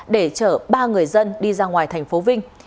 để chở ba người dân đi ra ngoài tp vinh